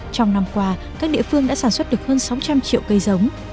trong năm qua các địa phương đã sản xuất được hơn sáu trăm linh triệu cây giống